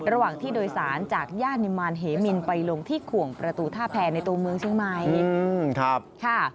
ระหว่างที่โดยสารจากย่านนิมารเหมินไปลงที่ขวงประตูท่าแพรในตัวเมืองเชียงใหม่